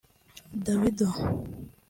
Davido